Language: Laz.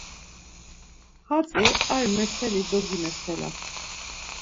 Hatzi ar meseli dogimeselat.